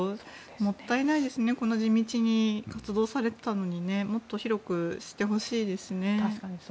もったいないですよね、地道に活動されていたのにもっと広く知ってほしいですね。